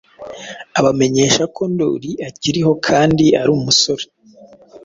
abamenyesha ko Ndoli akiriho kandi ari umusore.